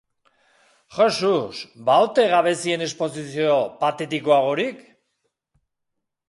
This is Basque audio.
Jesus!, ba ote gabezien esposizio patetikoagorik?